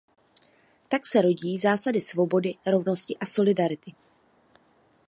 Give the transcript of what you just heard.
Tak se rodí zásady svobody, rovnosti a solidarity.